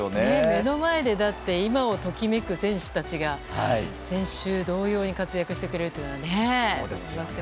目の前で今を時めく選手たちが先週同様に活躍してくれるっていうのはね。